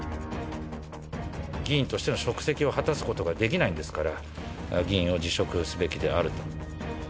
議員としての職責を果たすことができないんですから、議員を辞職すべきであると。